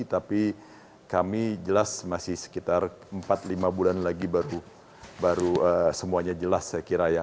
tapi kami jelas masih sekitar empat lima bulan lagi baru semuanya jelas saya kira ya